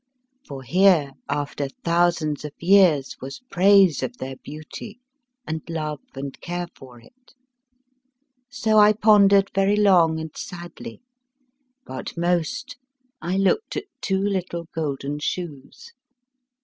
For here, after thousands of years, was praise of their beauty, and love and care for it. So I pondered very long and sadly. But most I looked at two little golden shoes.